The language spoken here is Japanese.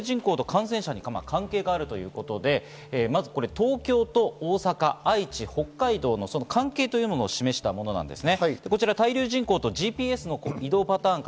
滞留人口と感染者に関係があるということで、東京、大阪、愛知、北海道の関係を示したものなんですね。